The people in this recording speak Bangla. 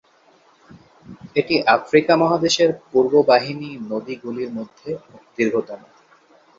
এটি আফ্রিকা মহাদেশের পূর্ব বাহিনী নদী গুলির মধ্যে দীর্ঘতম।